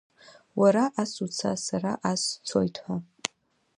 Уара ас уца, сара ас сцоит, ҳәа.